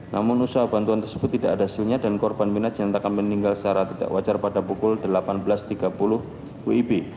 namun usaha bantuan tersebut tidak ada hasilnya dan korban mirna jantakan meninggal secara tidak wajar pada pukul delapan belas tiga puluh uib